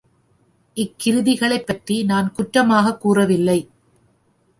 இக் கிருதிகளைப் பற்றி நான் குற்றமாகக் கூறவில்லை.